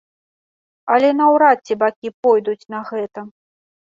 Але наўрад ці бакі пойдуць на гэта.